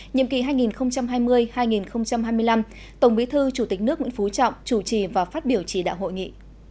nhiệm kỳ hai nghìn hai mươi hai nghìn hai mươi năm tổng bí thư chủ tịch nước nguyễn phú trọng chủ trì và phát biểu chỉ đạo hội nghị